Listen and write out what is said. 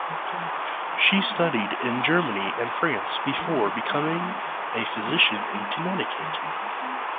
She studied in Germany and France before becoming a physician in Connecticut.